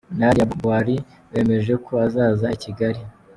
Nadia Buari wemeje ko azaza i Kigali.